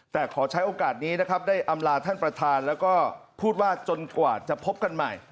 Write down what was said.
แต่ขอใช้โอกาสนี้นะครับได้อำลาท่านประธานแล้วก็พูดว่าจนกว่าจะพบกันใหม่